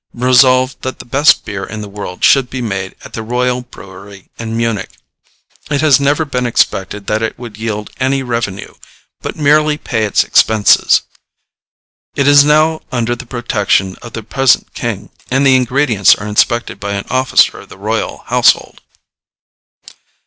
resolved that the best beer in the world should be made at the royal brewery in Munich. It has never been expected that it would yield any revenue, but merely pay its expenses. It is now under the protection of the present King, and the ingredients are inspected by an officer of the royal household.